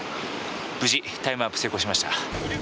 無事タイムワープ成功しました。